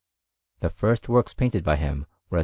The first works painted by him were a S.